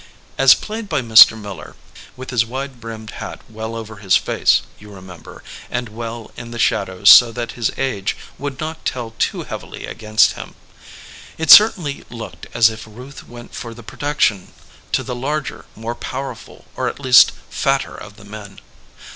As played by Mr. Miller (with his wide brimmed hat well over his face, you remember, and well in the shadow so that his age would not tell too heavily against him) it certainly looked as if Euth went for protection to the larger, more powerful — or at least fatter — of the men.